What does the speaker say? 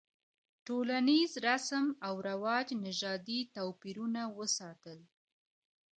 ټولنیز رسم او رواج نژادي توپیرونه وساتل.